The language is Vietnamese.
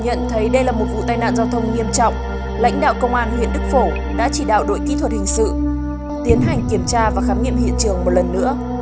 nhận thấy đây là một vụ tai nạn giao thông nghiêm trọng lãnh đạo công an huyện đức phổ đã chỉ đạo đội kỹ thuật hình sự tiến hành kiểm tra và khám nghiệm hiện trường một lần nữa